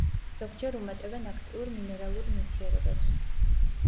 ზოგჯერ უმატებენ აქტიურ მინერალურ ნივთიერებებს.